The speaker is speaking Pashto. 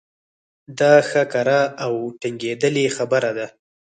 دا ښه کره او ټنګېدلې خبره ده.